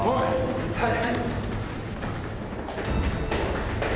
はい。